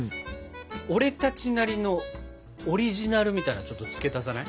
俺たちなりのオリジナルみたいなのちょっと付け足さない？